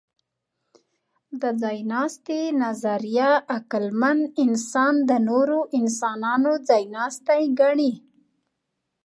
د ځایناستي نظریه عقلمن انسان د نورو انسانانو ځایناستی ګڼي.